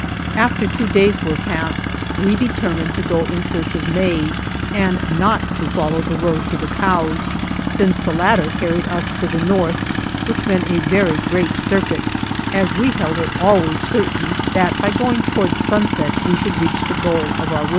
After two days were past we determined to go in search of maize, and not to follow the road to the cows, since the latter car ried us to the north, which meant a very great circuit, as we held it always certain that by going towards sunset we should reach the goal of our wishes.